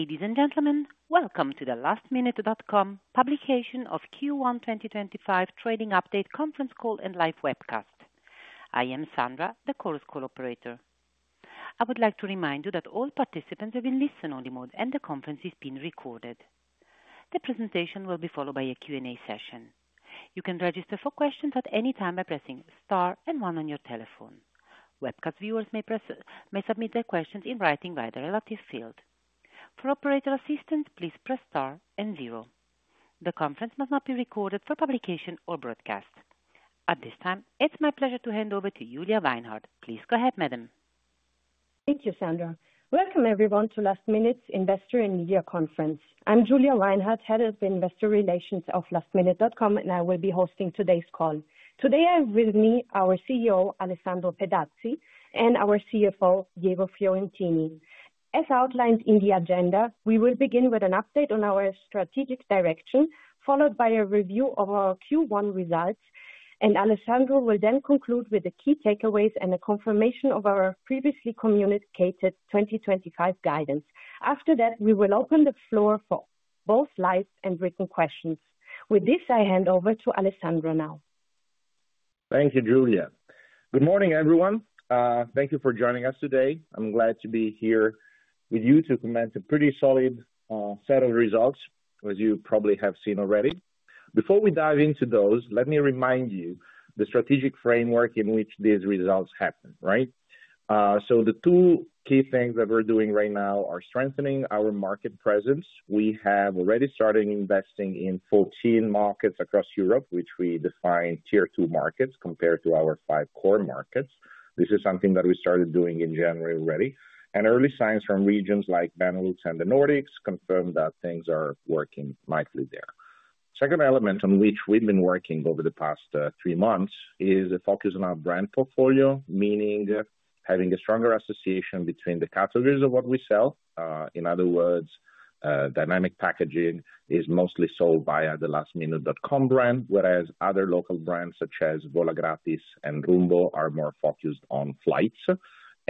Ladies and gentlemen, welcome to the lastminute.com publication of Q1 2025 trading update conference call and live webcast. I am Sandra, the call's co-operator. I would like to remind you that all participants have been listened on the mode, and the conference is being recorded. The presentation will be followed by a Q&A session. You can register for questions at any time by pressing star and one on your telephone. Webcast viewers may submit their questions in writing via the relative field. For operator assistance, please press star and zero. The conference must not be recorded for publication or broadcast. At this time, it's my pleasure to hand over to Julia Weinhart. Please go ahead, madam. Thank you, Sandra. Welcome, everyone, to lastminute's investor and media conference. I'm Julia Weinhart, Head of Investor Relations of lastminute.com, and I will be hosting today's call. Today, I have with me our CEO, Alessandro Petazzi, and our CFO, Diego Fiorentini. As outlined in the agenda, we will begin with an update on our strategic direction, followed by a review of our Q1 results, and Alessandro will then conclude with the key takeaways and a confirmation of our previously communicated 2025 guidance. After that, we will open the floor for both live and written questions. With this, I hand over to Alessandro now. Thank you, Julia. Good morning, everyone. Thank you for joining us today. I'm glad to be here with you to comment a pretty solid set of results, as you probably have seen already. Before we dive into those, let me remind you the strategic framework in which these results happen, right? The two key things that we're doing right now are strengthening our market presence. We have already started investing in 14 markets across Europe, which we define Tier 2 markets compared to our five core markets. This is something that we started doing in January already. Early signs from regions like Benelux and the Nordics confirm that things are working nicely there. The second element on which we've been working over the past three months is a focus on our brand portfolio, meaning having a stronger association between the categories of what we sell. In other words, dynamic packaging is mostly sold via the lastminute.com brand, whereas other local brands such as Volagratis and Rumbo are more focused on flights,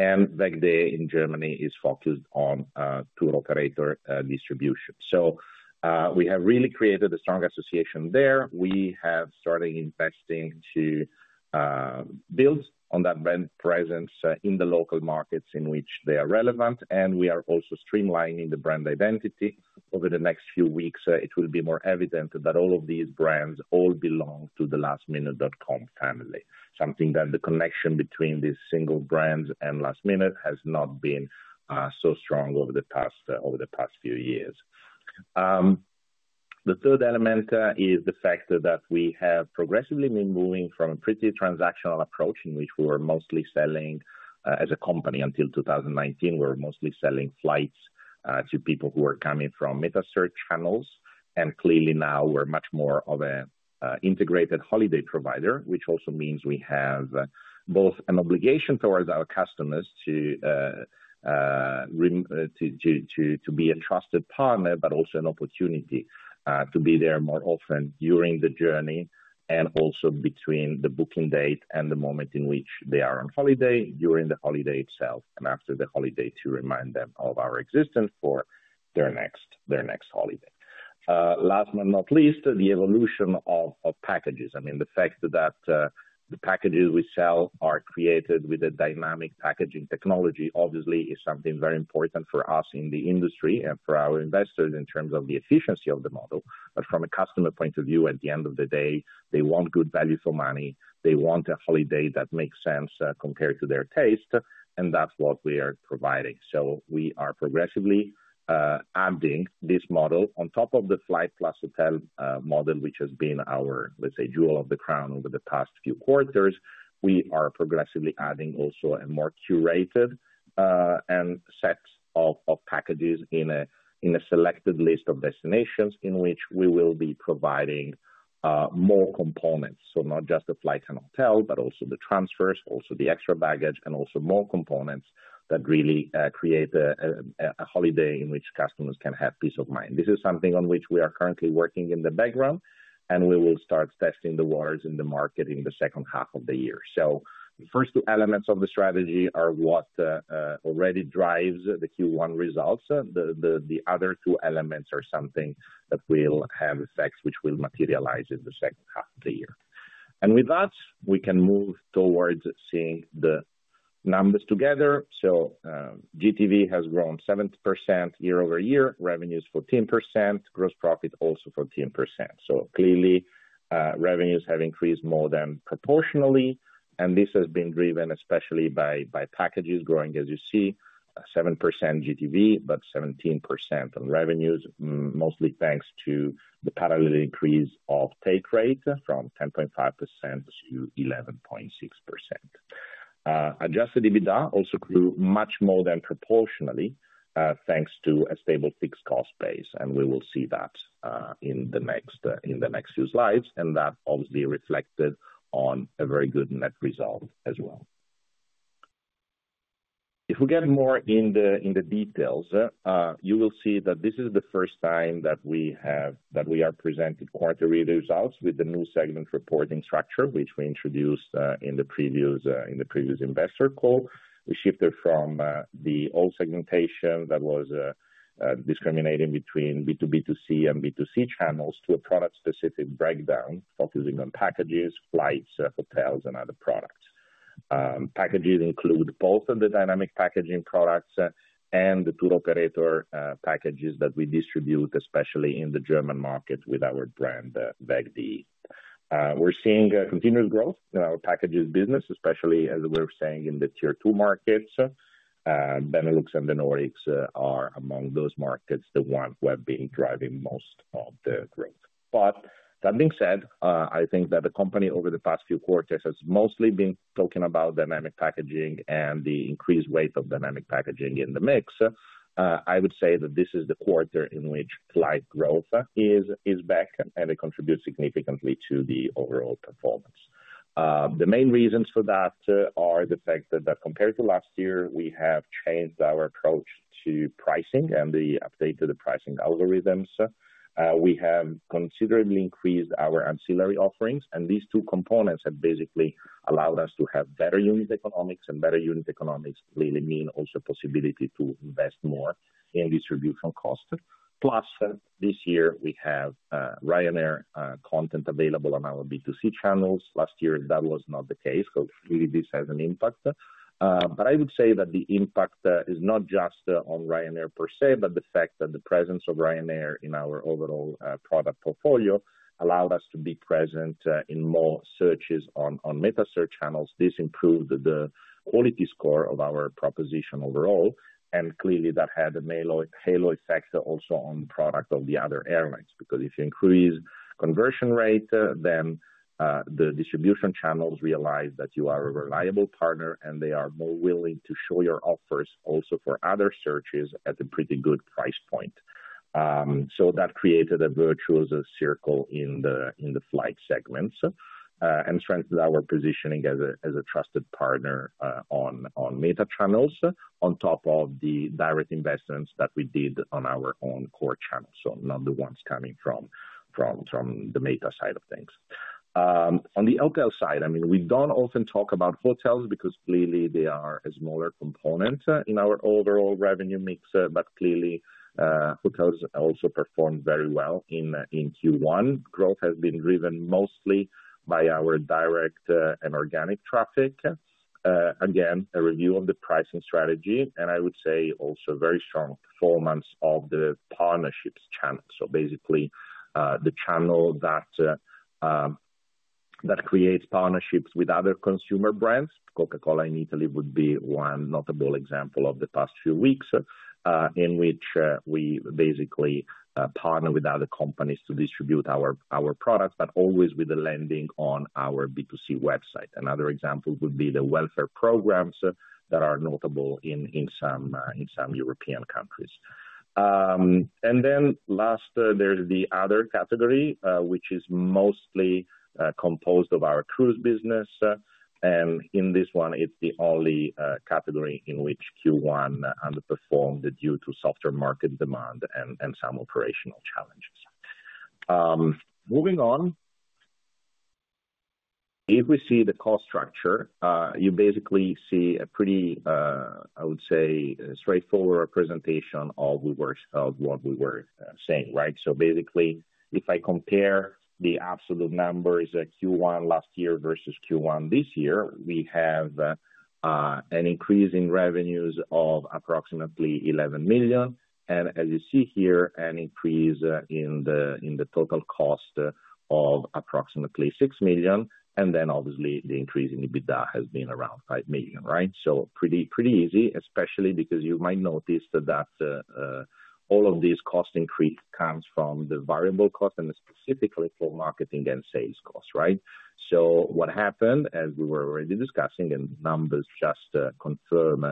and WEG Day in Germany is focused on tour operator distribution. We have really created a strong association there. We have started investing to build on that brand presence in the local markets in which they are relevant, and we are also streamlining the brand identity. Over the next few weeks, it will be more evident that all of these brands all belong to the lastminute.com family, something that the connection between these single brands and lastminute.com has not been so strong over the past few years. The third element is the fact that we have progressively been moving from a pretty transactional approach in which we were mostly selling as a company. Until 2019, we were mostly selling flights to people who were coming from Meta search channels, and clearly now we're much more of an integrated holiday provider, which also means we have both an obligation towards our customers to be a trusted partner, but also an opportunity to be there more often during the journey and also between the booking date and the moment in which they are on holiday, during the holiday itself, and after the holiday to remind them of our existence for their next holiday. Last but not least, the evolution of packages. I mean, the fact that the packages we sell are created with a dynamic packaging technology obviously is something very important for us in the industry and for our investors in terms of the efficiency of the model. From a customer point of view, at the end of the day, they want good value for money. They want a holiday that makes sense compared to their taste, and that's what we are providing. We are progressively adding this model on top of the flight plus hotel model, which has been our, let's say, jewel of the crown over the past few quarters. We are progressively adding also a more curated set of packages in a selected list of destinations in which we will be providing more components. Not just the flight and hotel, but also the transfers, also the extra baggage, and also more components that really create a holiday in which customers can have peace of mind. This is something on which we are currently working in the background, and we will start testing the waters in the market in the second half of the year. The first two elements of the strategy are what already drives the Q1 results. The other two elements are something that will have effects which will materialize in the second half of the year. With that, we can move towards seeing the numbers together. GTV has grown 7% year-over-year, revenues 14%, gross profit also 14%. Clearly, revenues have increased more than proportionally, and this has been driven especially by packages growing, as you see, 7% GTV, but 17% on revenues, mostly thanks to the parallel increase of take rate from 10.5%-11.6%. Adjusted EBITDA also grew much more than proportionally thanks to a stable fixed cost base, and we will see that in the next few slides, and that obviously reflected on a very good net result as well. If we get more in the details, you will see that this is the first time that we are presenting quarterly results with the new segment reporting structure, which we introduced in the previous investor call. We shifted from the old segmentation that was discriminating between B2B2C and B2C channels to a product-specific breakdown focusing on packages, flights, hotels, and other products. Packages include both the dynamic packaging products and the tour operator packages that we distribute, especially in the German market with our brand WEG Day. We're seeing continuous growth in our packages business, especially as we're saying in the Tier 2 markets. Benelux and the Nordics are among those markets, the ones who have been driving most of the growth. That being said, I think that the company over the past few quarters has mostly been talking about dynamic packaging and the increased weight of dynamic packaging in the mix. I would say that this is the quarter in which flight growth is back, and it contributes significantly to the overall performance. The main reasons for that are the fact that compared to last year, we have changed our approach to pricing and the update to the pricing algorithms. We have considerably increased our ancillary offerings, and these two components have basically allowed us to have better unit economics, and better unit economics really mean also a possibility to invest more in distribution costs. Plus, this year we have Ryanair content available on our B2C channels. Last year, that was not the case because really this has an impact. I would say that the impact is not just on Ryanair per se, but the fact that the presence of Ryanair in our overall product portfolio allowed us to be present in more searches on Meta search channels. This improved the quality score of our proposition overall, and clearly that had a halo effect also on the product of the other airlines because if you increase conversion rate, then the distribution channels realize that you are a reliable partner, and they are more willing to show your offers also for other searches at a pretty good price point. That created a virtuous circle in the flight segments and strengthened our positioning as a trusted partner on Meta channels on top of the direct investments that we did on our own core channels, not the ones coming from the Meta side of things. On the hotel side, I mean, we do not often talk about hotels because clearly they are a smaller component in our overall revenue mix, but clearly hotels also performed very well in Q1. Growth has been driven mostly by our direct and organic traffic. Again, a review of the pricing strategy, and I would say also very strong performance of the partnerships channel. Basically, the channel that creates partnerships with other consumer brands, Coca-Cola in Italy would be one notable example of the past few weeks in which we basically partner with other companies to distribute our products, but always with the landing on our B2C website. Another example would be the welfare programs that are notable in some European countries. Last, there's the other category, which is mostly composed of our cruise business, and in this one, it's the only category in which Q1 underperformed due to softer market demand and some operational challenges. Moving on, if we see the cost structure, you basically see a pretty, I would say, straightforward representation of what we were saying, right? Basically, if I compare the absolute numbers Q1 last year versus Q1 this year, we have an increase in revenues of approximately $11 million, and as you see here, an increase in the total cost of approximately $6 million, and then obviously the increase in EBITDA has been around $5 million, right? Pretty easy, especially because you might notice that all of these cost increases come from the variable cost and specifically for marketing and sales costs, right? What happened, as we were already discussing, and numbers just confirm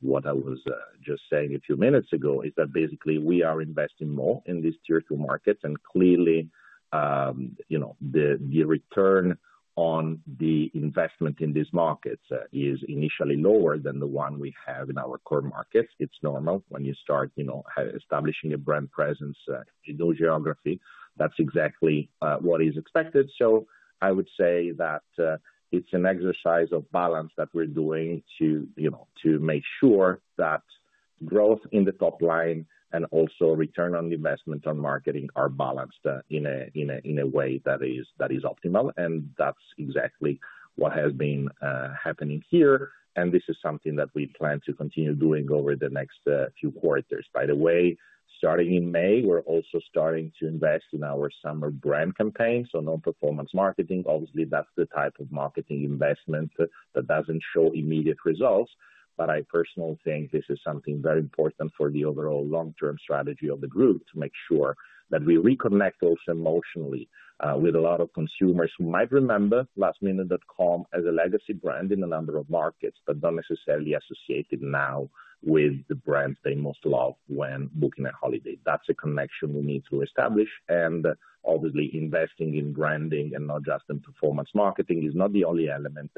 what I was just saying a few minutes ago, is that basically we are investing more in these Tier 2 markets, and clearly the return on the investment in these markets is initially lower than the one we have in our core markets. It's normal when you start establishing a brand presence in those geographies. That's exactly what is expected. I would say that it's an exercise of balance that we're doing to make sure that growth in the top line and also return on investment on marketing are balanced in a way that is optimal, and that's exactly what has been happening here. This is something that we plan to continue doing over the next few quarters. By the way, starting in May, we're also starting to invest in our summer brand campaign, so non-performance marketing. Obviously, that's the type of marketing investment that doesn't show immediate results, but I personally think this is something very important for the overall long-term strategy of the group to make sure that we reconnect also emotionally with a lot of consumers who might remember lastminute.com as a legacy brand in a number of markets, but not necessarily associated now with the brands they most love when booking a holiday. That's a connection we need to establish, and obviously investing in branding and not just in performance marketing is not the only element,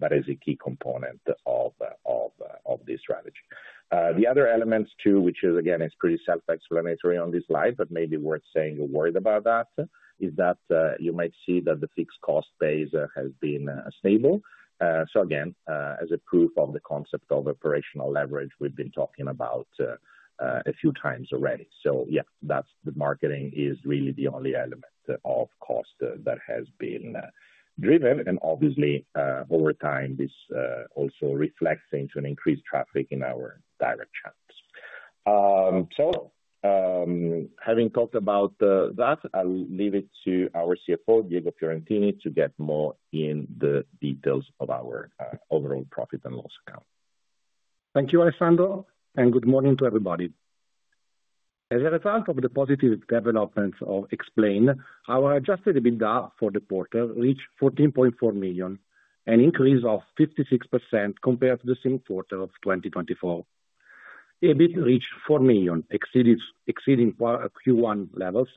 but is a key component of this strategy. The other elements too, which is, again, it's pretty self-explanatory on this slide, but maybe worth saying or worried about that, is that you might see that the fixed cost base has been stable. Again, as a proof of the concept of operational leverage, we've been talking about it a few times already. Yeah, the marketing is really the only element of cost that has been driven, and obviously over time this also reflects into an increased traffic in our direct channels. Having talked about that, I'll leave it to our CFO, Diego Fiorentini, to get more in the details of our overall profit and loss account. Thank you, Alessandro, and good morning to everybody. As a result of the positive developments I explained, our adjusted EBITDA for the quarter reached $14.4 million, an increase of 56% compared to the same quarter of 2024. EBIT reached $4 million, exceeding Q1 levels,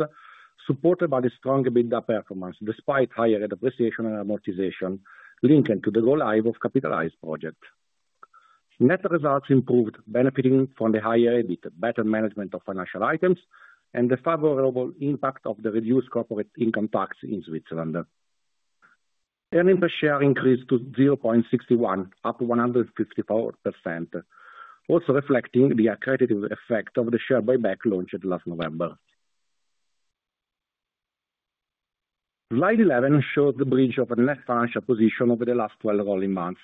supported by the strong EBITDA performance despite higher depreciation and amortization linked to the goal of capitalized project. Net results improved, benefiting from the higher EBIT, better management of financial items, and the favorable impact of the reduced corporate income tax in Switzerland. Earnings per share increased to $0.61, up 154%, also reflecting the accredited effect of the share buyback launched last November. Slide 11 shows the bridge of a net financial position over the last 12 rolling months.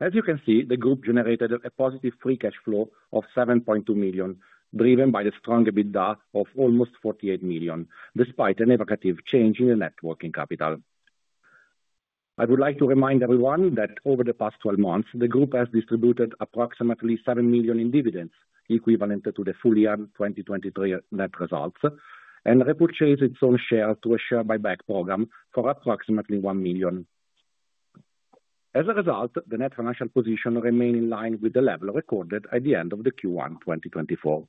As you can see, the group generated a positive free cash flow of $7.2 million, driven by the strong EBITDA of almost $48 million, despite a negative change in the working capital. I would like to remind everyone that over the past 12 months, the group has distributed approximately $7 million in dividends, equivalent to the full-year 2023 net results, and repurchased its own share through a share buyback program for approximately $1 million. As a result, the net financial position remained in line with the level recorded at the end of Q1 2024.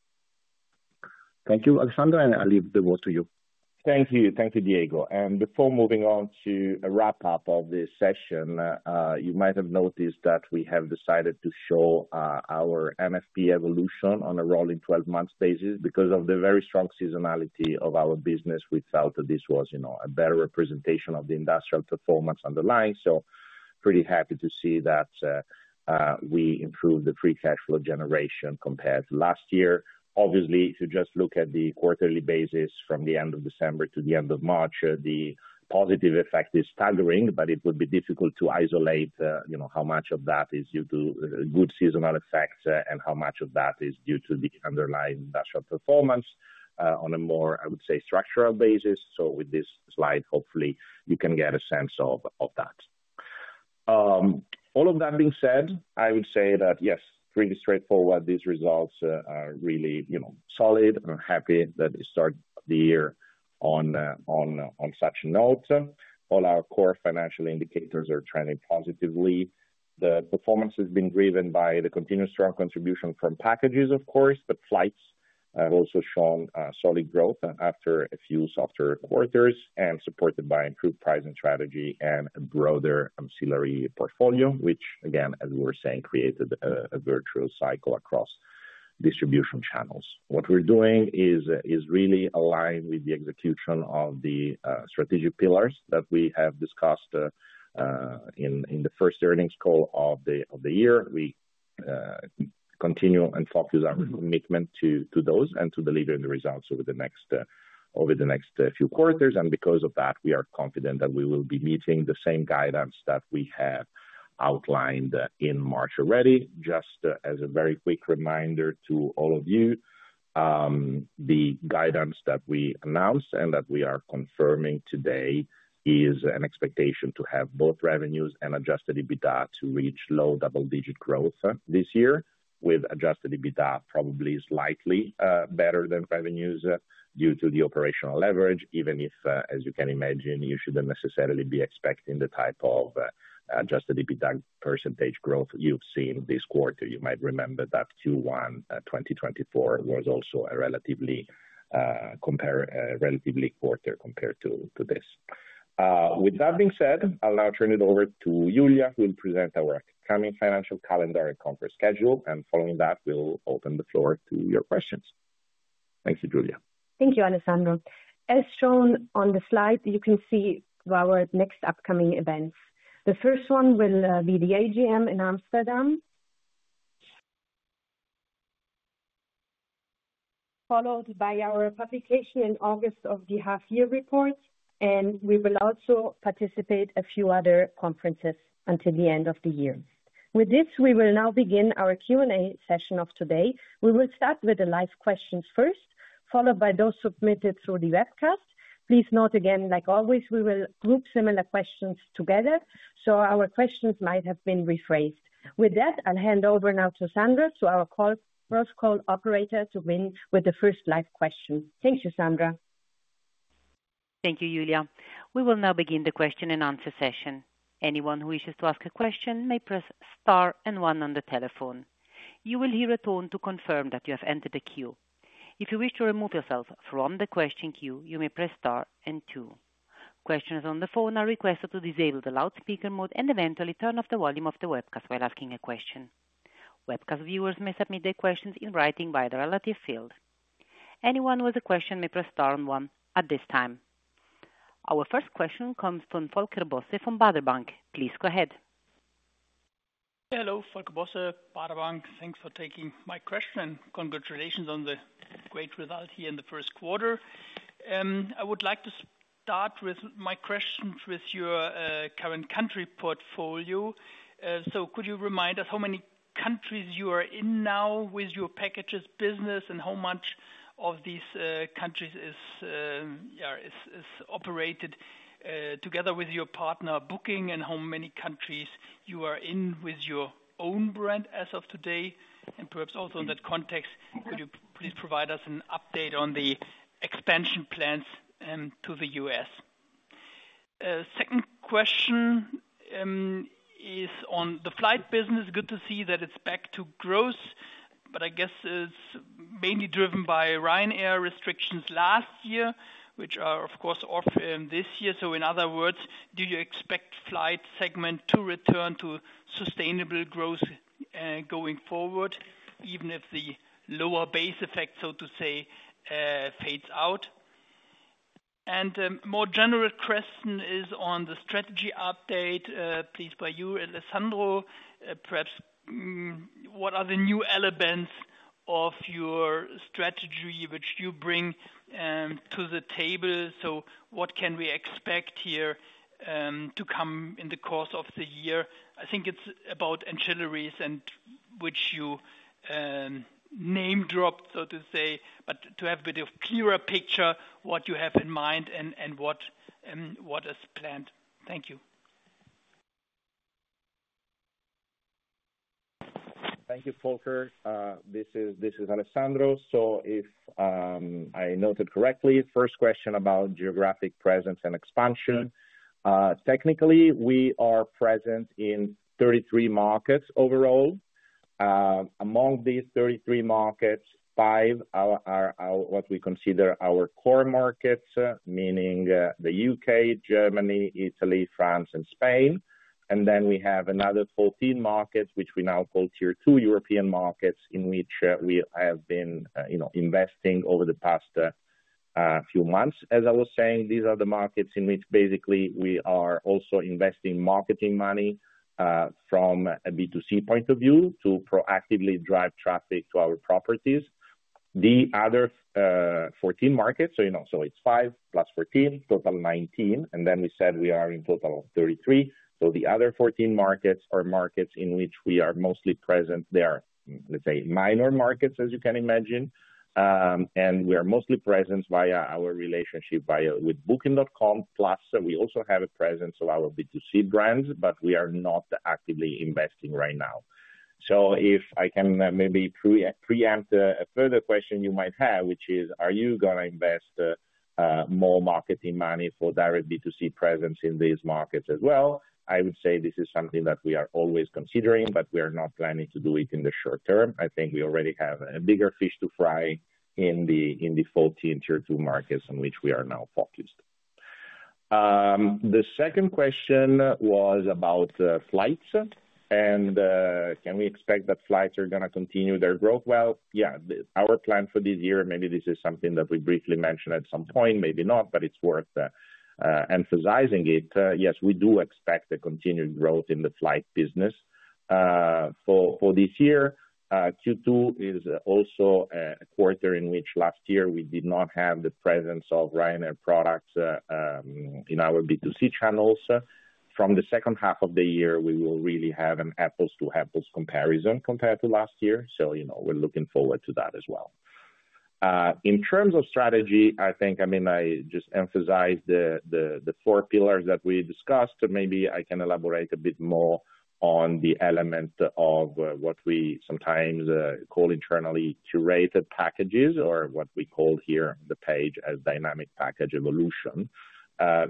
Thank you, Alessandro, and I leave the word to you. Thank you. Thank you, Diego. Before moving on to a wrap-up of this session, you might have noticed that we have decided to show our MFP evolution on a rolling 12-month basis because of the very strong seasonality of our business. We felt that this was a better representation of the industrial performance underlying. Pretty happy to see that we improved the free cash flow generation compared to last year. Obviously, if you just look at the quarterly basis from the end of December to the end of March, the positive effect is staggering, but it would be difficult to isolate how much of that is due to good seasonal effects and how much of that is due to the underlying industrial performance on a more, I would say, structural basis. With this slide, hopefully you can get a sense of that. All of that being said, I would say that, yes, pretty straightforward, these results are really solid. I'm happy that we started the year on such a note. All our core financial indicators are trending positively. The performance has been driven by the continued strong contribution from packages, of course, but flights have also shown solid growth after a few softer quarters and supported by improved pricing strategy and a broader ancillary portfolio, which, again, as we were saying, created a virtuous cycle across distribution channels. What we're doing is really aligned with the execution of the strategic pillars that we have discussed in the first earnings call of the year. We continue and focus our commitment to those and to deliver the results over the next few quarters, and because of that, we are confident that we will be meeting the same guidance that we have outlined in March already. Just as a very quick reminder to all of you, the guidance that we announced and that we are confirming today is an expectation to have both revenues and adjusted EBITDA to reach low double-digit growth this year, with adjusted EBITDA probably slightly better than revenues due to the operational leverage, even if, as you can imagine, you shouldn't necessarily be expecting the type of adjusted EBITDA percentage growth you've seen this quarter. You might remember that Q1 2024 was also a relatively quarter compared to this. With that being said, I'll now turn it over to Julia, who will present our upcoming financial calendar and conference schedule, and following that, we'll open the floor to your questions. Thank you, Julia. Thank you, Alessandro. As shown on the slide, you can see our next upcoming events. The first one will be the AGM in Amsterdam, followed by our publication in August of the half-year report, and we will also participate in a few other conferences until the end of the year. With this, we will now begin our Q&A session of today. We will start with the live questions first, followed by those submitted through the webcast. Please note again, like always, we will group similar questions together, so our questions might have been rephrased. With that, I'll hand over now to Sandra, our cross-call operator, to begin with the first live question. Thank you, Sandra. Thank you, Julia. We will now begin the question and answer session. Anyone who wishes to ask a question may press Star and 1 on the telephone. You will hear a tone to confirm that you have entered the queue. If you wish to remove yourself from the question queue, you may press Star and 2. Questioners on the phone are requested to disable the loudspeaker mode and eventually turn off the volume of the webcast while asking a question. Webcast viewers may submit their questions in writing via the relative field. Anyone with a question may press Star and 1 at this time. Our first question comes from Volker Bosse from Baader Bank. Please go ahead. Hello, Volker Bosse, Baader Bank. Thanks for taking my question. Congratulations on the great result here in the first quarter. I would like to start with my questions with your current country portfolio. Could you remind us how many countries you are in now with your packages business and how much of these countries is operated together with your partner Booking and how many countries you are in with your own brand as of today? Perhaps also in that context, could you please provide us an update on the expansion plans to the US? Second question is on the flight business. Good to see that it's back to growth, but I guess it's mainly driven by Ryanair restrictions last year, which are, of course, off this year. In other words, do you expect flight segment to return to sustainable growth going forward, even if the lower base effect, so to say, fades out? A more general question is on the strategy update, please by you, Alessandro. Perhaps what are the new elements of your strategy which you bring to the table? What can we expect here to come in the course of the year? I think it's about ancillaries, which you name-dropped, so to say, but to have a bit of a clearer picture of what you have in mind and what is planned. Thank you. Thank you, Volker. This is Alessandro. If I noted correctly, first question about geographic presence and expansion. Technically, we are present in 33 markets overall. Among these 33 markets, five are what we consider our core markets, meaning the U.K., Germany, Italy, France, and Spain. We have another 14 markets, which we now call Tier 2 European markets, in which we have been investing over the past few months. As I was saying, these are the markets in which basically we are also investing marketing money from a B2C point of view to proactively drive traffic to our properties. The other 14 markets, so it's +5 +14, total 19, and then we said we are in total of 33. The other 14 markets are markets in which we are mostly present. They are, let's say, minor markets, as you can imagine, and we are mostly present via our relationship with Booking.com, plus we also have a presence of our B2C brands, but we are not actively investing right now. If I can maybe preempt a further question you might have, which is, are you going to invest more marketing money for direct B2C presence in these markets as well? I would say this is something that we are always considering, but we are not planning to do it in the short term. I think we already have a bigger fish to fry in the 14 Tier 2 markets in which we are now focused. The second question was about flights, and can we expect that flights are going to continue their growth? Yeah, our plan for this year, maybe this is something that we briefly mentioned at some point, maybe not, but it's worth emphasizing it. Yes, we do expect a continued growth in the flight business for this year. Q2 is also a quarter in which last year we did not have the presence of Ryanair products in our B2C channels. From the second half of the year, we will really have an apples-to-apples comparison compared to last year. We are looking forward to that as well. In terms of strategy, I think, I mean, I just emphasized the four pillars that we discussed, and maybe I can elaborate a bit more on the element of what we sometimes call internally curated packages or what we call here on the page as dynamic package evolution.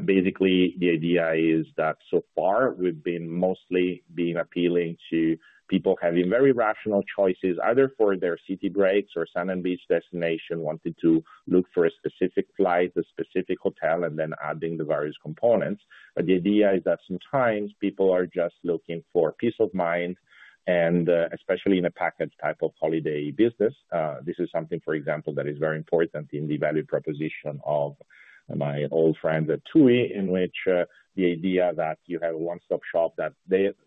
Basically, the idea is that so far we've been mostly being appealing to people having very rational choices, either for their city breaks or sand and beach destination, wanting to look for a specific flight, a specific hotel, and then adding the various components. The idea is that sometimes people are just looking for peace of mind, and especially in a package type of holiday business. This is something, for example, that is very important in the value proposition of my old friend, TUI, in which the idea that you have a one-stop shop, that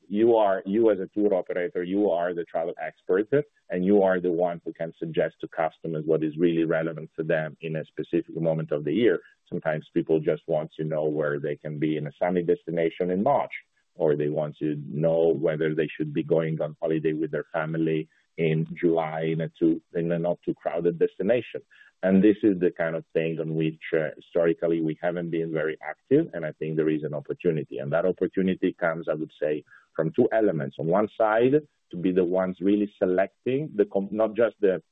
you as a tour operator, you are the travel expert, and you are the one who can suggest to customers what is really relevant to them in a specific moment of the year. Sometimes people just want to know where they can be in a sandy destination in March, or they want to know whether they should be going on holiday with their family in July in a not-too-crowded destination. This is the kind of thing on which historically we haven't been very active, and I think there is an opportunity. That opportunity comes, I would say, from two elements. On one side, to be the ones really selecting not just the,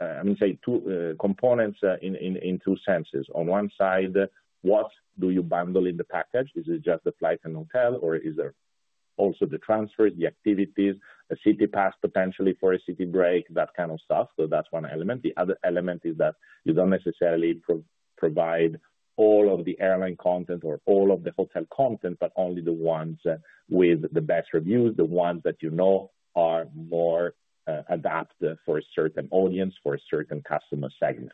I mean, say, two components in two senses. On one side, what do you bundle in the package? Is it just the flight and hotel, or is there also the transfers, the activities, a city pass potentially for a city break, that kind of stuff? That is one element. The other element is that you do not necessarily provide all of the airline content or all of the hotel content, but only the ones with the best reviews, the ones that you know are more adapted for a certain audience, for a certain customer segment.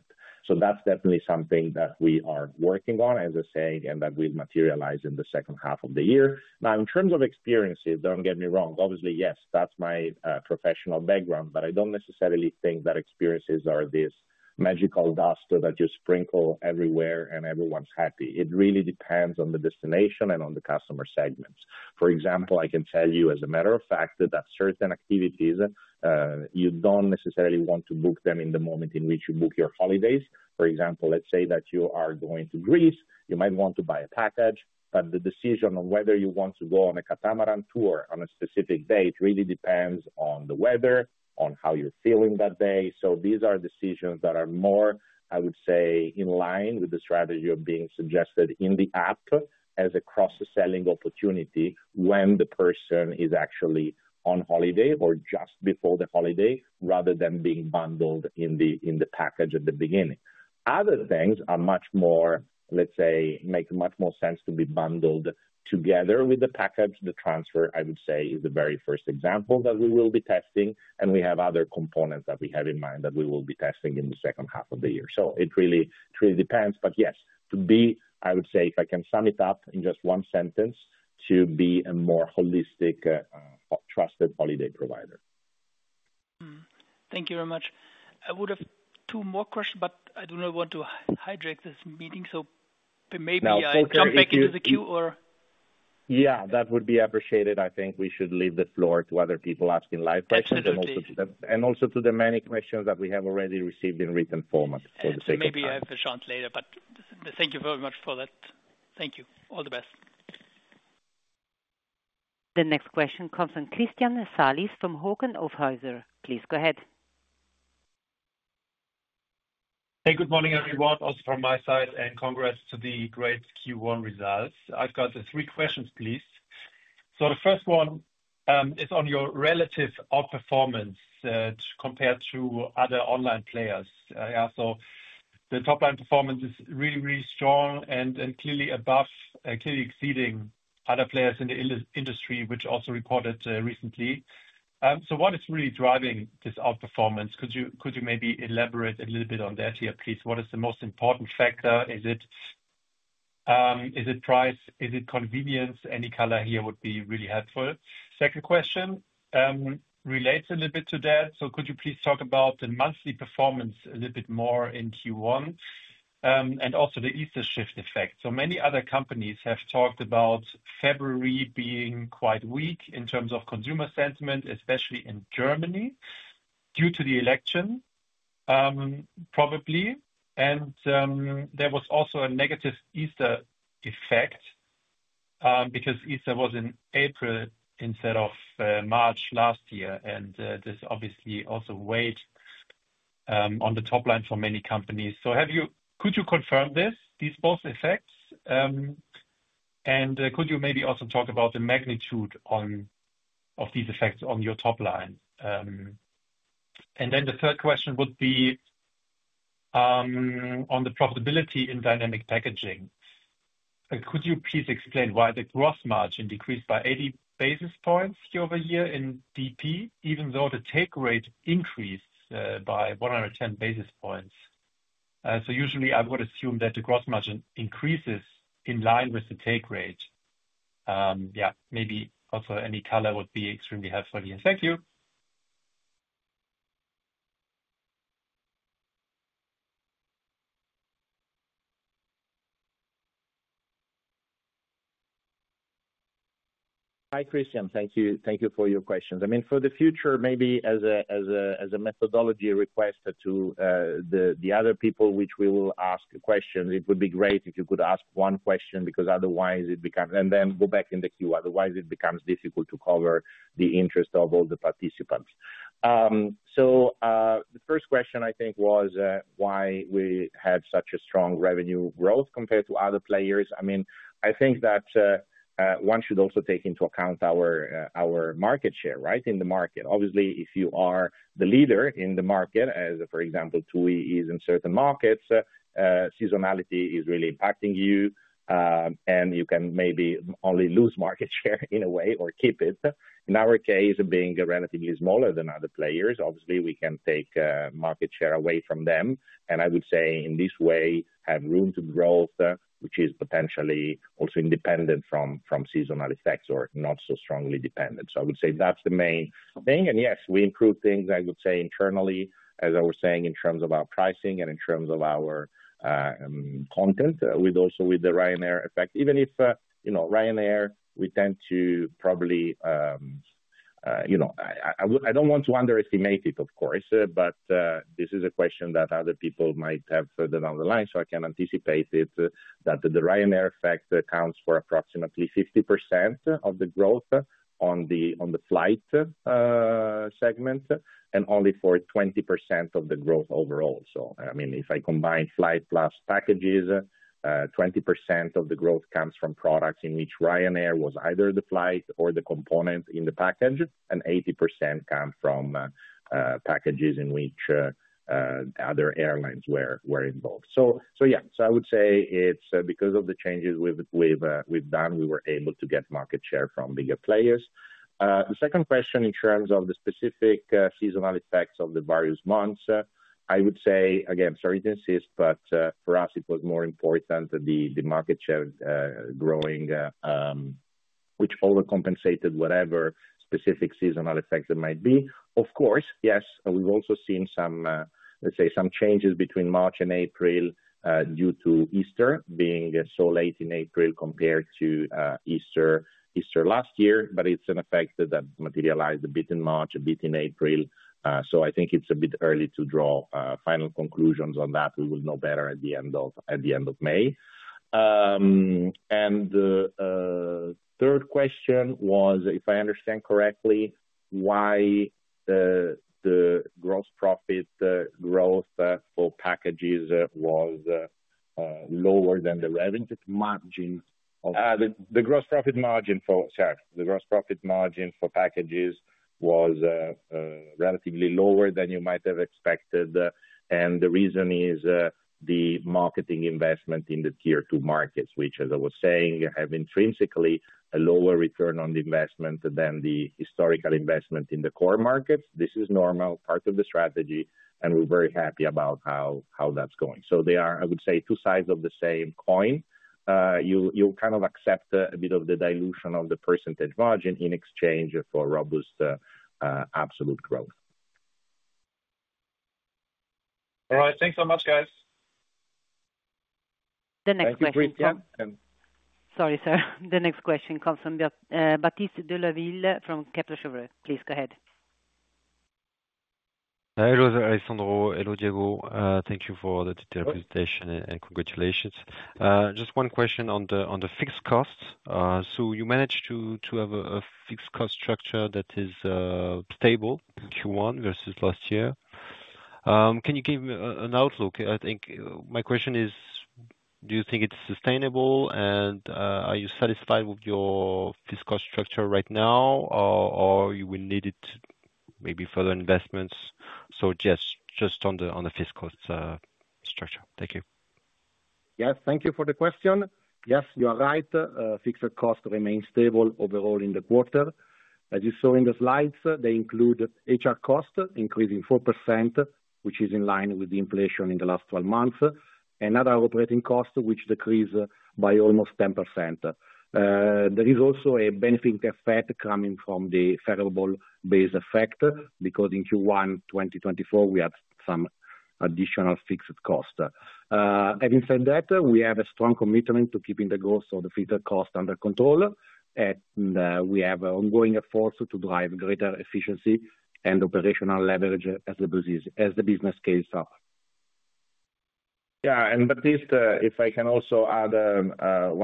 That is definitely something that we are working on, as I say, and that will materialize in the second half of the year. Now, in terms of experiences, do not get me wrong. Obviously, yes, that's my professional background, but I don't necessarily think that experiences are this magical dust that you sprinkle everywhere and everyone's happy. It really depends on the destination and on the customer segments. For example, I can tell you as a matter of fact that certain activities, you don't necessarily want to book them in the moment in which you book your holidays. For example, let's say that you are going to Greece, you might want to buy a package, but the decision on whether you want to go on a catamaran tour on a specific date really depends on the weather, on how you're feeling that day. These are decisions that are more, I would say, in line with the strategy of being suggested in the app as a cross-selling opportunity when the person is actually on holiday or just before the holiday, rather than being bundled in the package at the beginning. Other things are much more, let's say, make much more sense to be bundled together with the package. The transfer, I would say, is the very first example that we will be testing, and we have other components that we have in mind that we will be testing in the second half of the year. It really depends. Yes, if I can sum it up in just one sentence, to be a more holistic, trusted holiday provider. Thank you very much. I would have two more questions, but I do not want to hijack this meeting, so maybe I come back into the queue or. Yeah, that would be appreciated. I think we should leave the floor to other people asking live questions and also to the many questions that we have already received in written format, so to say. Maybe I have a chance later, but thank you very much for that. Thankyou. All the best. The next question comes from Christian Salis from Hauck & Aufhäuser. Please go ahead. Hey, good morning, everyone. Also from my side, and congrats to the great Q1 results. I've got three questions, please. So the first one is on your relative outperformance compared to other online players. So the top-line performance is really, really strong and clearly exceeding other players in the industry, which also reported recently. What is really driving this outperformance? Could you maybe elaborate a little bit on that here, please? What is the most important factor? Is it price? Is it convenience? Any color here would be really helpful. Second question relates a little bit to that. Could you please talk about the monthly performance a little bit more in Q1 and also the Easter shift effect? Many other companies have talked about February being quite weak in terms of consumer sentiment, especially in Germany due to the election, probably. There was also a negative Easter effect because Easter was in April instead of March last year, and this obviously also weighed on the top line for many companies. Could you confirm these both effects? Could you maybe also talk about the magnitude of these effects on your top line? And then the third question would be on the profitability in dynamic packaging. Could you please explain why the gross margin decreased by 80 basis points year-over-year in DP, even though the take rate increased by 110 basis points? Usually, I would assume that the gross margin increases in line with the take rate. Maybe also any color would be extremely helpful here. Thank you. Hi, Christian. Thank you for your questions. I mean, for the future, maybe as a methodology request to the other people, which we will ask questions, it would be great if you could ask one question because otherwise it becomes, and then go back in the queue. Otherwise, it becomes difficult to cover the interest of all the participants. The first question, I think, was why we had such a strong revenue growth compared to other players. I mean, I think that one should also take into account our market share, right, in the market. Obviously, if you are the leader in the market, as for example, TUI is in certain markets, seasonality is really impacting you, and you can maybe only lose market share in a way or keep it. In our case, being relatively smaller than other players, obviously, we can take market share away from them. I would say in this way, have room to grow, which is potentially also independent from seasonal effects or not so strongly dependent. I would say that's the main thing. Yes, we improved things, I would say, internally, as I was saying, in terms of our pricing and in terms of our content with also with the Ryanair effect. Even if Ryanair, we tend to probably, I don't want to underestimate it, of course, but this is a question that other people might have further down the line. I can anticipate it that the Ryanair effect accounts for approximately 50% of the growth on the flight segment and only for 20% of the growth overall. I mean, if I combine flight plus packages, 20% of the growth comes from products in which Ryanair was either the flight or the component in the package, and 80% come from packages in which other airlines were involved. I would say it's because of the changes we've done, we were able to get market share from bigger players. The second question in terms of the specific seasonal effects of the various months, I would say, again, sorry to insist, but for us, it was more important the market share growing, which overcompensated whatever specific seasonal effects it might be. Of course, yes, we've also seen some, let's say, some changes between March and April due to Easter being so late in April compared to Easter last year, but it's an effect that materialized a bit in March, a bit in April. I think it's a bit early to draw final conclusions on that. We will know better at the end of May. The third question was, if I understand correctly, why the gross profit growth for packages was lower than the revenue margin of. The gross profit margin for, sorry, the gross profit margin for packages was relatively lower than you might have expected. The reason is the marketing investment in the Tier 2 markets, which, as I was saying, have intrinsically a lower return on the investment than the historical investment in the core markets. This is normal, part of the strategy, and we're very happy about how that's going. They are, I would say, two sides of the same coin. You kind of accept a bit of the dilution of the percentage margin in exchange for robust absolute growth. All right. Thanks so much, guys. The next question. Sorry, sir. The next question comes from Baptiste de Leudeville from Kepler Cheuvreux. Please go ahead. Hello, Alessandro. Hello, Diego. Thank you for the detailed presentation and congratulations. Just one question on the fixed costs. You managed to have a fixed cost structure that is stable Q1 versus last year. Can you give me an outlook? I think my question is, do you think it's sustainable, and are you satisfied with your fixed cost structure right now, or you will need maybe further investments? Just on the fixed cost structure. Thank you. Yes, thank you for the question. Yes, you are right. Fixed cost remains stable overall in the quarter. As you saw in the slides, they include HR cost increasing 4%, which is in line with the inflation in the last 12 months, and other operating costs, which decrease by almost 10%. There is also a benefit effect coming from the variable base effect because in Q1 2024, we had some additional fixed cost. Having said that, we have a strong commitment to keeping the growth of the fixed cost under control, and we have ongoing efforts to drive greater efficiency and operational leverage as the business scales up. Yeah, and Baptiste, if I can also add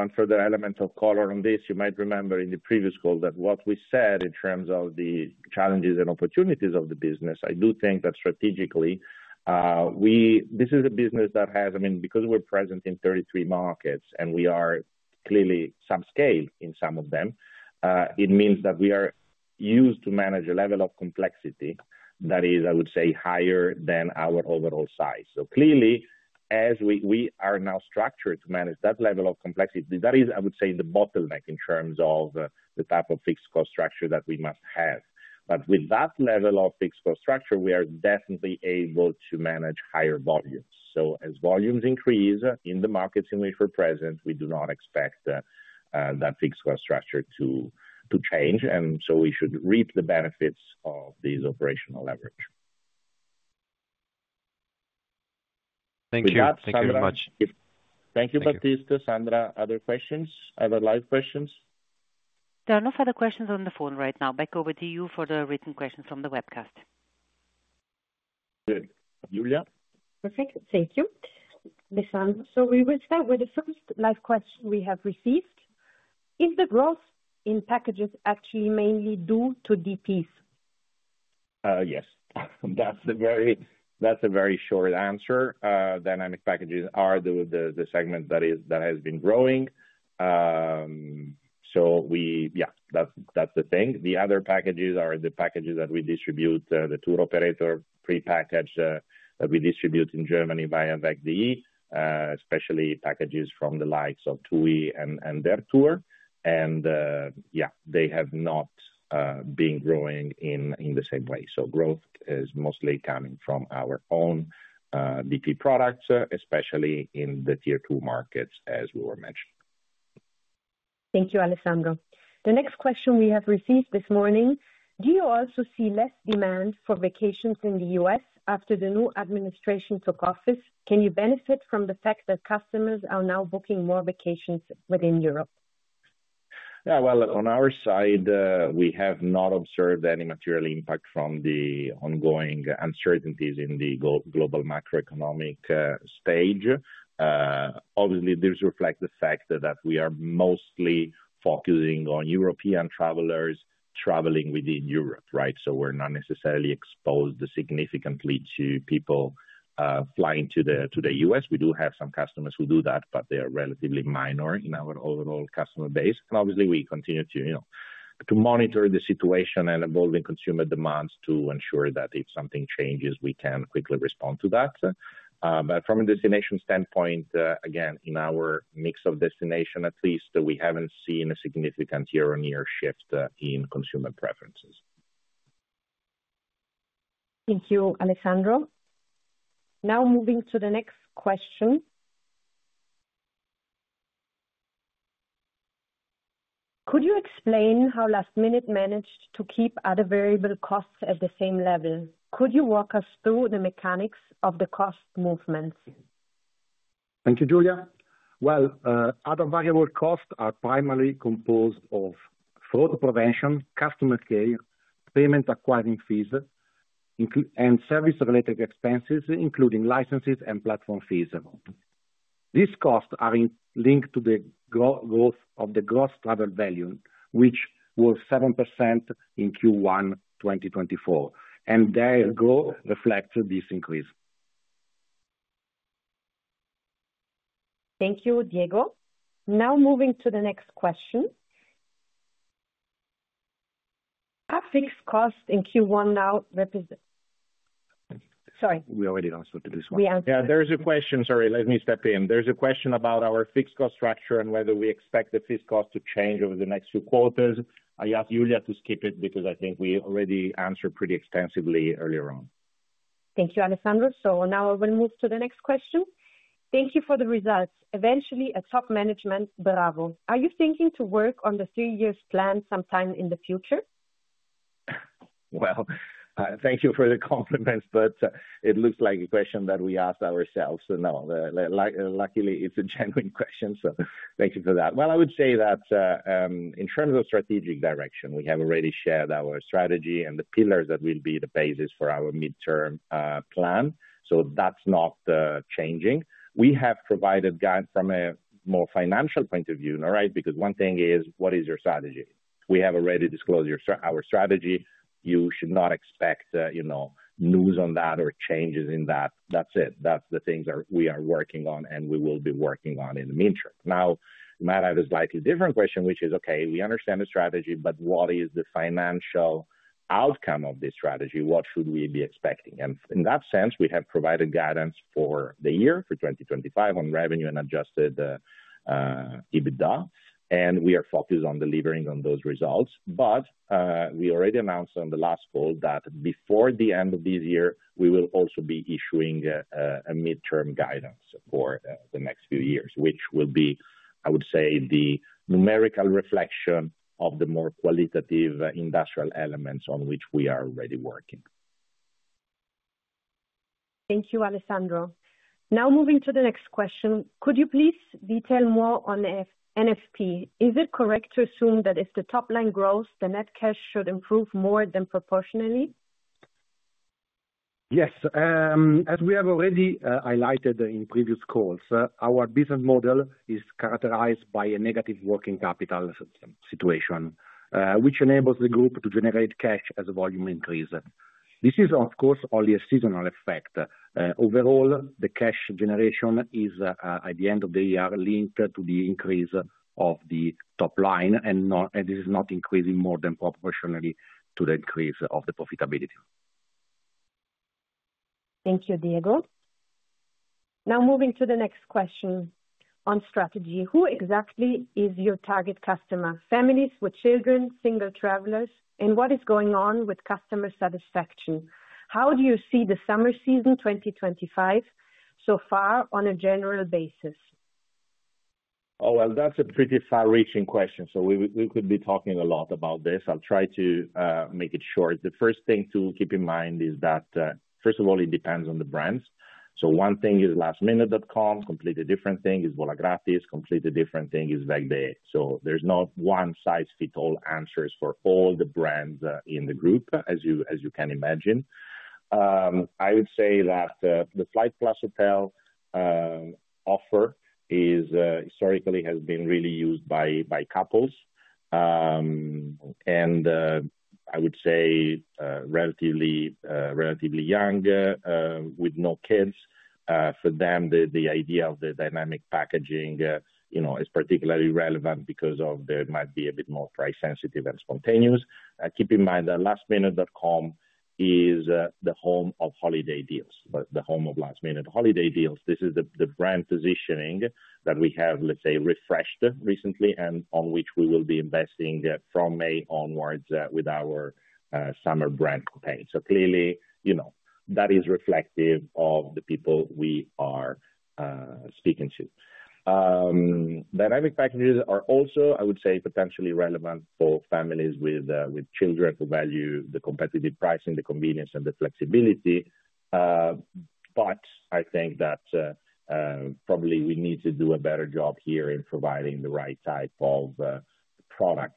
one further element of color on this, you might remember in the previous call that what we said in terms of the challenges and opportunities of the business, I do think that strategically, this is a business that has, I mean, because we're present in 33 markets and we are clearly subscaled in some of them, it means that we are used to manage a level of complexity that is, I would say, higher than our overall size. Clearly, as we are now structured to manage that level of complexity, that is, I would say, the bottleneck in terms of the type of fixed cost structure that we must have. With that level of fixed cost structure, we are definitely able to manage higher volumes. As volumes increase in the markets in which we're present, we do not expect that fixed cost structure to change, and we should reap the benefits of this operational leverage. Thank you. Thank you very much. Thank you, Baptiste, Sandra. Other questions? Other live questions? There are no further questions on the phone right now. Back over to you for the written questions from the webcast. Good. Julia? Perfect. Thank you. We will start with the first live question we have received. Is the growth in packages actually mainly due to DPs? Yes. That's a very short answer. Dynamic packages are the segment that has been growing. Yeah, that's the thing. The other packages are the packages that we distribute, the tour operator pre-package that we distribute in Germany via WegDay, especially packages from the likes of TUI and their tour. Yeah, they have not been growing in the same way. Growth is mostly coming from our own DP products, especially in the tier two markets, as we were mentioning. Thank you, Alessandro. The next question we have received this morning. Do you also see less demand for vacations in the U.S. after the new administration took office? Can you benefit from the fact that customers are now booking more vacations within Europe? Yeah, on our side, we have not observed any material impact from the ongoing uncertainties in the global macroeconomic stage. Obviously, this reflects the fact that we are mostly focusing on European travelers traveling within Europe, right? We are not necessarily exposed significantly to people flying to the U.S. We do have some customers who do that, but they are relatively minor in our overall customer base. Obviously, we continue to monitor the situation and evolving consumer demands to ensure that if something changes, we can quickly respond to that. From a destination standpoint, again, in our mix of destination, at least, we have not seen a significant year-on-year shift in consumer preferences. Thank you, Alessandro. Now moving to the next question. Could you explain how Lastminute managed to keep other variable costs at the same level? Could you walk us through the mechanics of the cost movements? Thank you, Julia. Other variable costs are primarily composed of fraud prevention, customer care, payment acquiring fees, and service-related expenses, including licenses and platform fees. These costs are linked to the growth of the gross travel volume, which was 7% in Q1 2024, and their growth reflects this increase. Thank you, Diego. Now moving to the next question. Are fixed costs in Q1 now represent. Sorry. We already answered this one. Yeah, there is a question. Sorry, let me step in. There's a question about our fixed cost structure and whether we expect the fixed cost to change over the next few quarters. I asked Julia to skip it because I think we already answered pretty extensively earlier on. Thank you, Alessandro. Now I will move to the next question. Thank you for the results. Eventually, a top management, bravo. Are you thinking to work on the three-year plan sometime in the future? Thank you for the compliments, but it looks like a question that we asked ourselves. No, luckily, it's a genuine question. Thank you for that. I would say that in terms of strategic direction, we have already shared our strategy and the pillars that will be the basis for our midterm plan. That's not changing. We have provided guidance from a more financial point of view, right? Because one thing is, what is your strategy? We have already disclosed our strategy. You should not expect news on that or changes in that. That's it. That's the things we are working on and we will be working on in the meantime. Now, you might have a slightly different question, which is, okay, we understand the strategy, but what is the financial outcome of this strategy? What should we be expecting? In that sense, we have provided guidance for the year for 2025 on revenue and adjusted EBITDA. We are focused on delivering on those results. We already announced on the last call that before the end of this year, we will also be issuing a midterm guidance for the next few years, which will be, I would say, the numerical reflection of the more qualitative industrial elements on which we are already working. Thank you, Alessandro. Now moving to the next question. Could you please detail more on NFP? Is it correct to assume that if the top line grows, the net cash should improve more than proportionally? Yes. As we have already highlighted in previous calls, our business model is characterized by a negative working capital situation, which enables the group to generate cash as a volume increase. This is, of course, only a seasonal effect. Overall, the cash generation is, at the end of the year, linked to the increase of the top line, and this is not increasing more than proportionally to the increase of the profitability. Thank you, Diego. Now moving to the next question on strategy. Who exactly is your target customer? Families with children, single travelers, and what is going on with customer satisfaction? How do you see the summer season 2025 so far on a general basis? Oh, that is a pretty far-reaching question. We could be talking a lot about this. I'll try to make it short. The first thing to keep in mind is that, first of all, it depends on the brands. One thing is lastminute.com, completely different thing is Volagratis, completely different thing is WEG Day. There is no one size fits all answer for all the brands in the group, as you can imagine. I would say that the Flight Plus Hotel offer historically has been really used by couples. I would say relatively young with no kids, for them, the idea of the dynamic packaging is particularly relevant because they might be a bit more price-sensitive and spontaneous. Keep in mind that lastminute.com is the home of holiday deals, the home of last-minute holiday deals. This is the brand positioning that we have, let's say, refreshed recently and on which we will be investing from May onwards with our summer brand campaign. That is reflective of the people we are speaking to. Dynamic packages are also, I would say, potentially relevant for families with children who value the competitive pricing, the convenience, and the flexibility. I think that probably we need to do a better job here in providing the right type of product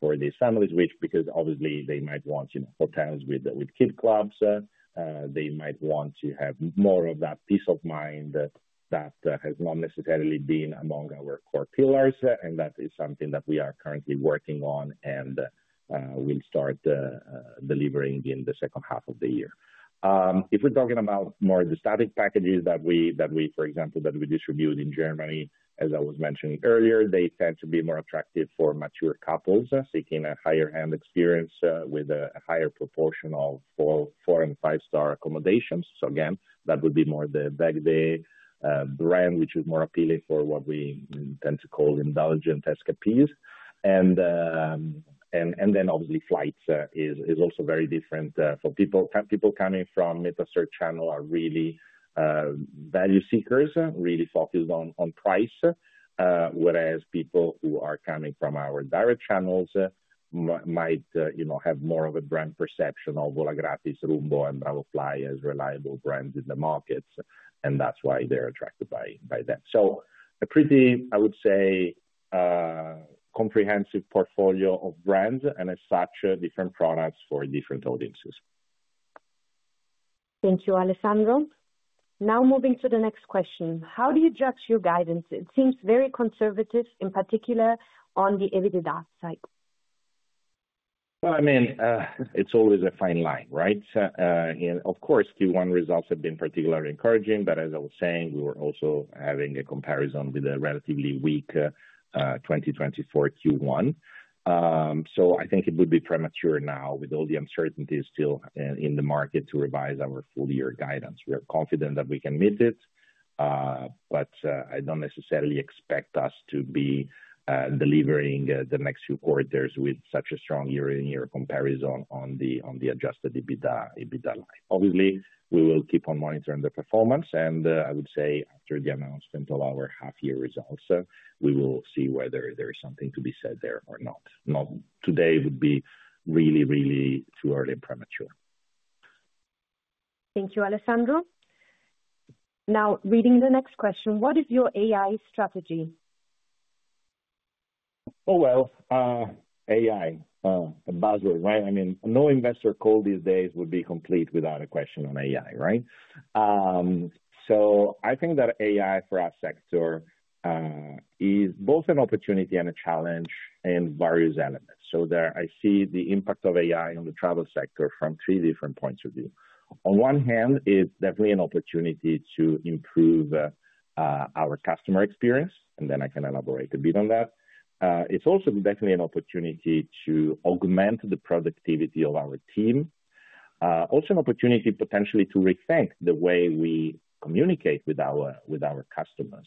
for these families, which, because obviously, they might want hotels with kid clubs, they might want to have more of that peace of mind that has not necessarily been among our core pillars. That is something that we are currently working on and will start delivering in the second half of the year. If we're talking about more of the static packages that we, for example, distribute in Germany, as I was mentioning earlier, they tend to be more attractive for mature couples seeking a higher-end experience with a higher proportion of four and five-star accommodations. Again, that would be more the WEG Day brand, which is more appealing for what we tend to call indulgent escapées. Then, obviously, flights is also very different for people. People coming from mid-research channel are really value seekers, really focused on price, whereas people who are coming from our direct channels might have more of a brand perception of Volagratis, Rumbo, and Bravofly as reliable brands in the markets. That is why they are attracted by them. A pretty, I would say, comprehensive portfolio of brands and, as such, different products for different audiences. Thank you, Alessandro. Now moving to the next question. How do you judge your guidance? It seems very conservative, in particular on the EBITDA side. I mean, it is always a fine line, right? Of course, Q1 results have been particularly encouraging, but as I was saying, we were also having a comparison with a relatively weak 2024 Q1. I think it would be premature now, with all the uncertainties still in the market, to revise our full-year guidance. We are confident that we can meet it, but I do not necessarily expect us to be delivering the next few quarters with such a strong year-on-year comparison on the adjusted EBITDA line. Obviously, we will keep on monitoring the performance, and I would say after the announcement of our half-year results, we will see whether there is something to be said there or not. Today would be really, really too early and premature. Thank you, Alessandro. Now, reading the next question, what is your AI strategy? Oh, AI, a buzzword, right? I mean, no investor call these days would be complete without a question on AI, right? I think that AI for our sector is both an opportunity and a challenge in various elements. I see the impact of AI on the travel sector from three different points of view. On one hand, it's definitely an opportunity to improve our customer experience, and then I can elaborate a bit on that. It's also definitely an opportunity to augment the productivity of our team. Also an opportunity potentially to rethink the way we communicate with our customers.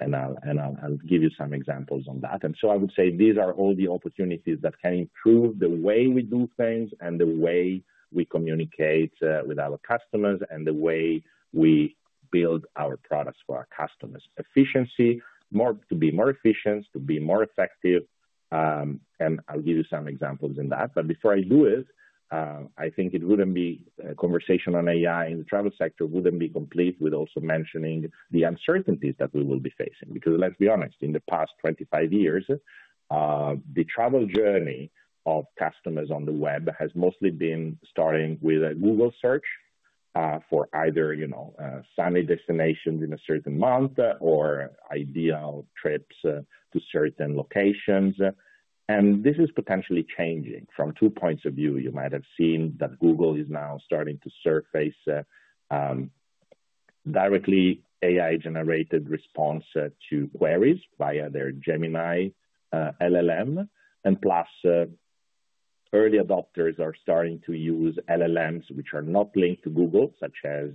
I'll give you some examples on that. I would say these are all the opportunities that can improve the way we do things and the way we communicate with our customers and the way we build our products for our customers. Efficiency, to be more efficient, to be more effective. I'll give you some examples in that. Before I do it, I think it wouldn't be a conversation on AI in the travel sector without also mentioning the uncertainties that we will be facing. Because let's be honest, in the past 25 years, the travel journey of customers on the web has mostly been starting with a Google search for either sunny destinations in a certain month or ideal trips to certain locations. This is potentially changing. From two points of view, you might have seen that Google is now starting to surface directly AI-generated responses to queries via their Gemini LLM. Plus, early adopters are starting to use LLMs which are not linked to Google, such as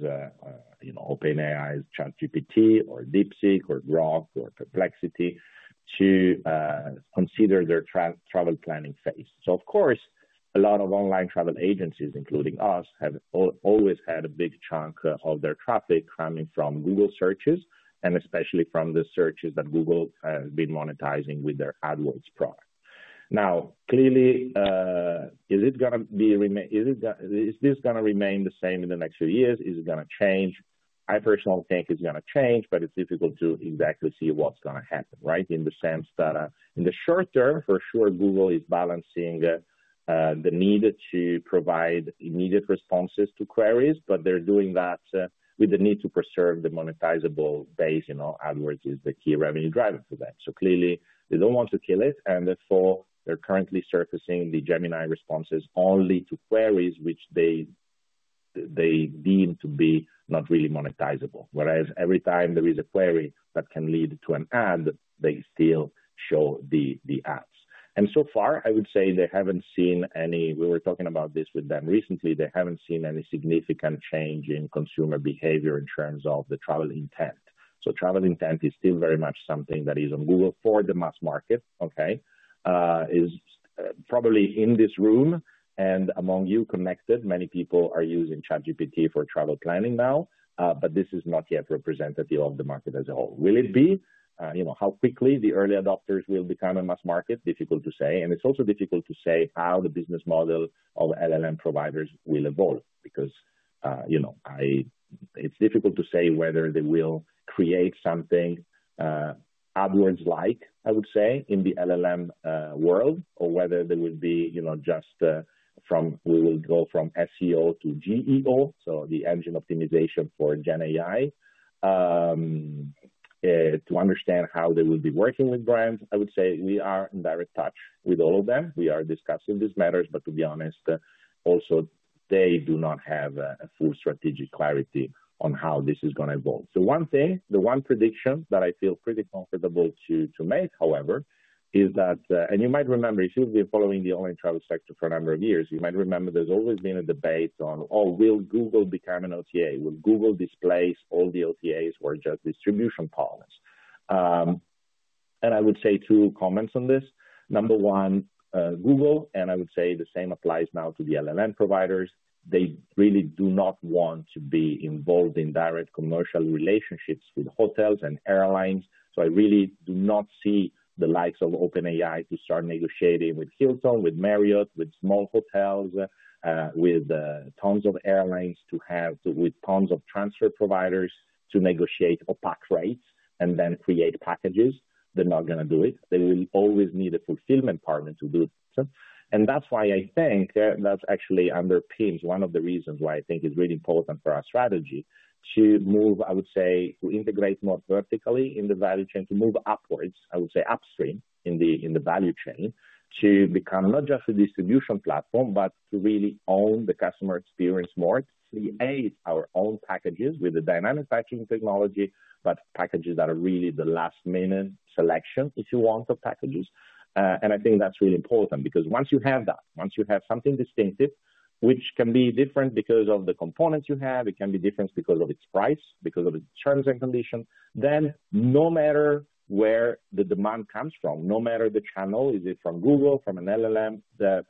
OpenAI's ChatGPT or DeepSeek or Grok or Perplexity, to consider their travel planning phase. Of course, a lot of online travel agencies, including us, have always had a big chunk of their traffic coming from Google searches, and especially from the searches that Google has been monetizing with their AdWords product. Now, clearly, is it going to be is this going to remain the same in the next few years? Is it going to change? I personally think it's going to change, but it's difficult to exactly see what's going to happen, right? In the sense that in the short term, for sure, Google is balancing the need to provide immediate responses to queries, but they're doing that with the need to preserve the monetizable base. AdWords is the key revenue driver for them. Clearly, they don't want to kill it. Therefore, they're currently surfacing the Gemini responses only to queries which they deem to be not really monetizable. Whereas every time there is a query that can lead to an ad, they still show the ads. So far, I would say they haven't seen any we were talking about this with them recently. They have not seen any significant change in consumer behavior in terms of the travel intent. Travel intent is still very much something that is on Google for the mass market, okay? It is probably in this room and among you connected. Many people are using ChatGPT for travel planning now, but this is not yet representative of the market as a whole. Will it be? How quickly the early adopters will become a mass market? Difficult to say. It is also difficult to say how the business model of LLM providers will evolve. Because it is difficult to say whether they will create something AdWords-like, I would say, in the LLM world, or whether we will go from SEO to GEO, so the engine optimization for GenAI, to understand how they will be working with brands. I would say we are in direct touch with all of them. We are discussing these matters, but to be honest, also they do not have a full strategic clarity on how this is going to evolve. The one thing, the one prediction that I feel pretty comfortable to make, however, is that, and you might remember, if you've been following the online travel sector for a number of years, you might remember there's always been a debate on, oh, will Google become an OTA? Will Google displace all the OTAs or just distribution partners? I would say two comments on this. Number one, Google, and I would say the same applies now to the LLM providers. They really do not want to be involved in direct commercial relationships with hotels and airlines. I really do not see the likes of OpenAI to start negotiating with Hilton, with Marriott, with small hotels, with tons of airlines, with tons of transfer providers to negotiate opaque rates and then create packages. They're not going to do it. They will always need a fulfillment partner to do it. That's why I think that actually underpins, one of the reasons why I think it's really important for our strategy to move, I would say, to integrate more vertically in the value chain, to move upwards, I would say, upstream in the value chain, to become not just a distribution platform, but to really own the customer experience more. We aid our own packages with the dynamic packaging technology, but packages that are really the last-minute selection, if you want, of packages. I think that's really important because once you have that, once you have something distinctive, which can be different because of the components you have, it can be different because of its price, because of its terms and conditions, then no matter where the demand comes from, no matter the channel, is it from Google, from an LLM,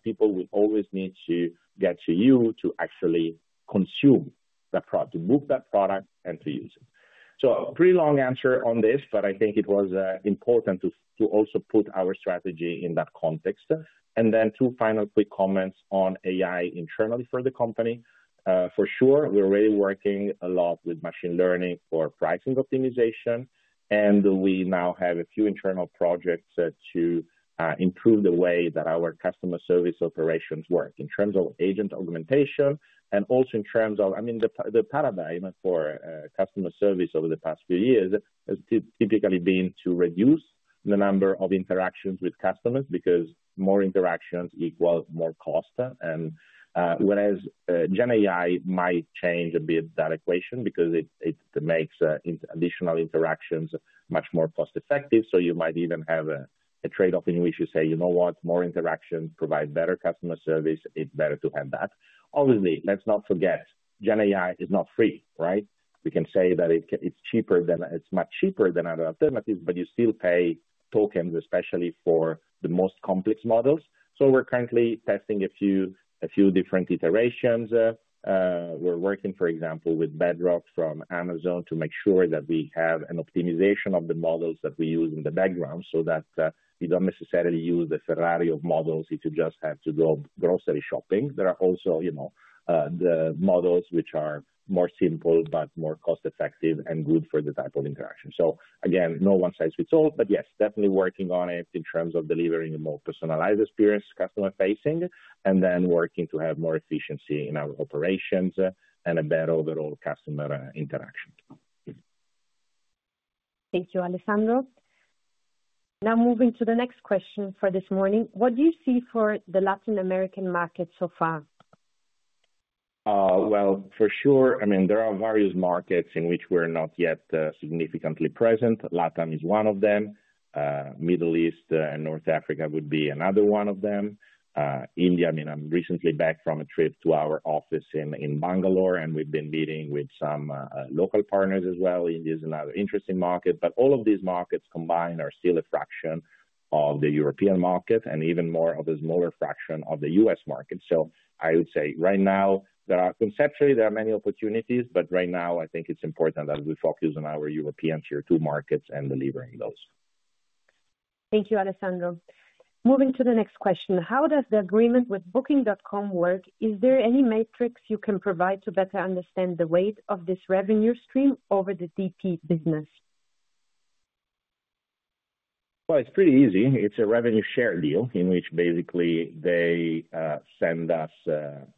people will always need to get to you to actually consume that product, to move that product, and to use it. A pretty long answer on this, but I think it was important to also put our strategy in that context. Two final quick comments on AI internally for the company. For sure, we're already working a lot with machine learning for pricing optimization. We now have a few internal projects to improve the way that our customer service operations work in terms of agent augmentation and also in terms of, I mean, the paradigm for customer service over the past few years has typically been to reduce the number of interactions with customers because more interactions equal more cost. Whereas GenAI might change a bit that equation because it makes additional interactions much more cost-effective. You might even have a trade-off in which you say, you know what, more interactions provide better customer service. It's better to have that. Obviously, let's not forget, GenAI is not free, right? We can say that it's cheaper than, it's much cheaper than other alternatives, but you still pay tokens, especially for the most complex models. We're currently testing a few different iterations. We're working, for example, with Bedrock from Amazon to make sure that we have an optimization of the models that we use in the background so that we don't necessarily use the Ferrari of models if you just have to go grocery shopping. There are also the models which are more simple, but more cost-effective and good for the type of interaction. Again, no one size fits all, but yes, definitely working on it in terms of delivering a more personalized experience, customer-facing, and then working to have more efficiency in our operations and a better overall customer interaction. Thank you, Alessandro. Now moving to the next question for this morning. What do you see for the Latin American market so far? For sure, I mean, there are various markets in which we're not yet significantly present. Latin is one of them. Middle East and North Africa would be another one of them. India, I mean, I'm recently back from a trip to our office in Bangalore, and we've been meeting with some local partners as well. India is another interesting market, but all of these markets combined are still a fraction of the European market and even more of a smaller fraction of the U.S. market. I would say right now, conceptually, there are many opportunities, but right now, I think it's important that we focus on our European tier two markets and delivering those. Thank you, Alessandro. Moving to the next question. How does the agreement with Booking.com work? Is there any matrix you can provide to better understand the weight of this revenue stream over the DP business? It's pretty easy. It's a revenue share deal in which basically they send us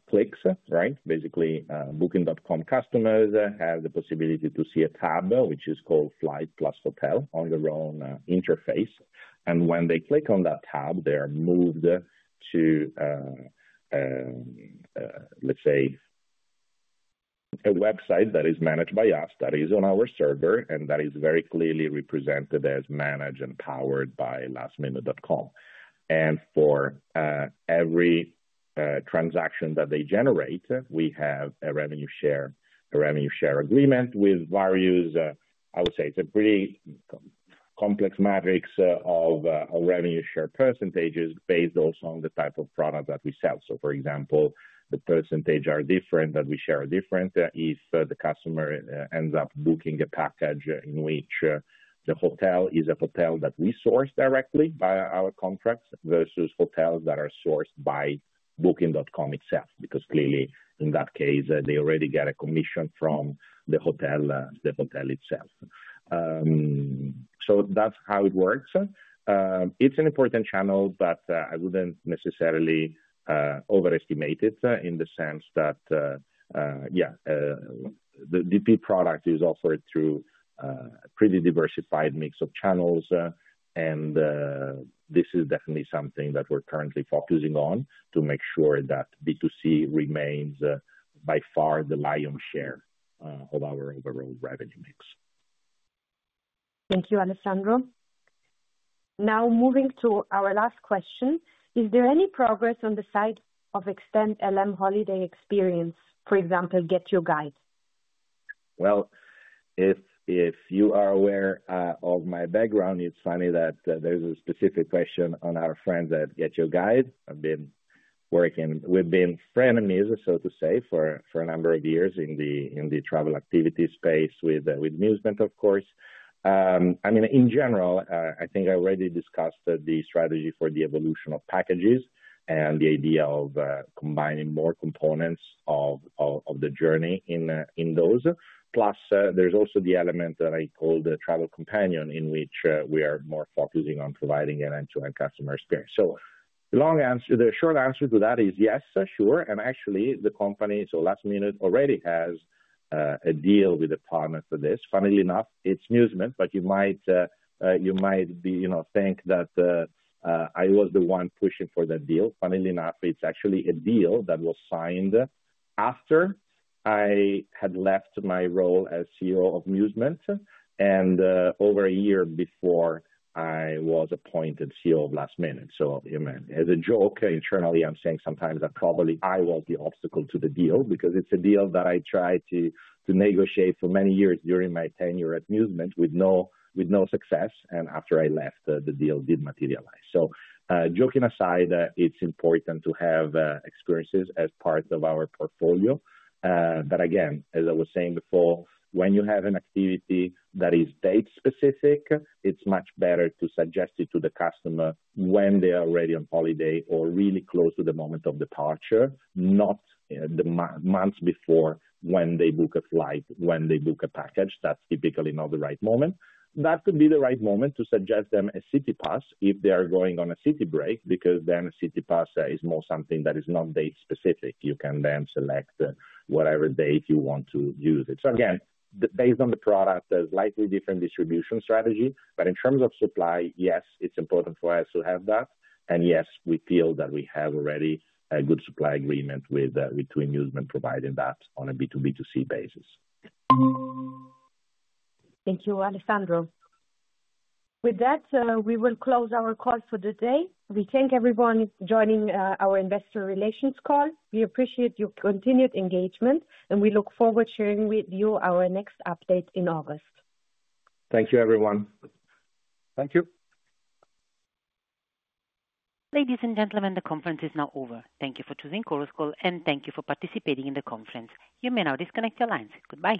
clicks, right? Basically, Booking.com customers have the possibility to see a tab which is called Flight Plus Hotel on their own interface. When they click on that tab, they are moved to, let's say, a website that is managed by us, that is on our server, and that is very clearly represented as managed and powered by lastminute.com. For every transaction that they generate, we have a revenue share agreement with various, I would say it's a pretty complex matrix of revenue share percentages based also on the type of product that we sell. For example, the percentages are different that we share differently if the customer ends up booking a package in which the hotel is a hotel that we source directly by our contracts versus hotels that are sourced by Booking.com itself. Because clearly, in that case, they already get a commission from the hotel itself. That's how it works. It's an important channel, but I wouldn't necessarily overestimate it in the sense that, yeah, the DP product is offered through a pretty diversified mix of channels. This is definitely something that we're currently focusing on to make sure that B2C remains by far the lion's share of our overall revenue mix. Thank you, Alessandro. Now moving to our last question. Is there any progress on the side of Extend LM Holiday Experience, for example, GetYourGuide? If you are aware of my background, it's funny that there's a specific question on our friend at GetYourGuide. I've been working, we've been friends, so to say, for a number of years in the travel activity space with Musement, of course. I mean, in general, I think I already discussed the strategy for the evolution of packages and the idea of combining more components of the journey in those. Plus, there's also the element that I called the Travel Companion in which we are more focusing on providing an end-to-end customer experience. The short answer to that is yes, sure. Actually, the company, so lastminute.com already has a deal with the partners for this. Funnily enough, it's Musement, but you might think that I was the one pushing for that deal. Funnily enough, it's actually a deal that was signed after I had left my role as CEO of Musement and over a year before I was appointed CEO of Lastminute. As a joke, internally, I'm saying sometimes that probably I was the obstacle to the deal because it's a deal that I tried to negotiate for many years during my tenure at Musement with no success. After I left, the deal did materialize. Joking aside, it's important to have experiences as part of our portfolio. Again, as I was saying before, when you have an activity that is date-specific, it's much better to suggest it to the customer when they are already on holiday or really close to the moment of departure, not the months before when they book a flight, when they book a package. That's typically not the right moment. That could be the right moment to suggest them a city pass if they are going on a city break because then a city pass is more something that is not date-specific. You can then select whatever date you want to use it. Again, based on the product, there is likely different distribution strategy. In terms of supply, yes, it is important for us to have that. Yes, we feel that we have already a good supply agreement with Musement providing that on a B2B2C basis. Thank you, Alessandro. With that, we will close our call for the day. We thank everyone joining our investor relations call. We appreciate your continued engagement, and we look forward to sharing with you our next update in August. Thank you, everyone. Thank you. Ladies and gentlemen, the conference is now over. Thank you for choosing Coruscall, and thank you for participating in the conference. You may now disconnect your lines. Goodbye.